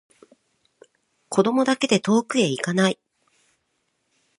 子供だけで遠くへいかない